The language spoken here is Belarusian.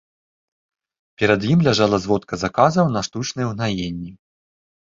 Перад ім ляжала зводка заказаў на штучныя ўгнаенні.